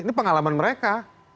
ini pengalaman mereka